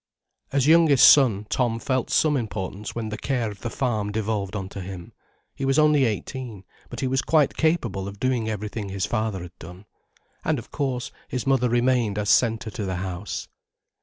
As youngest son, Tom felt some importance when the care of the farm devolved on to him. He was only eighteen, but he was quite capable of doing everything his father had done. And of course, his mother remained as centre to the house.